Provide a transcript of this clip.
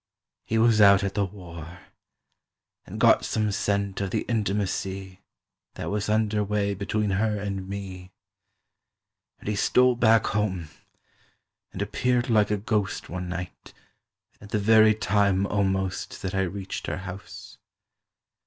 . He was out at the war, And got some scent of the intimacy That was under way between her and me; And he stole back home, and appeared like a ghost One night, at the very time almost That I reached her house.